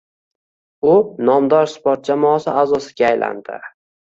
U nomdor sport jamoasi a’zosiga aylandi.